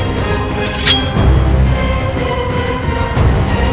maaf tuan ranubaya